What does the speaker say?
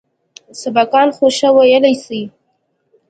سبقان خو ښه ويلى سئ.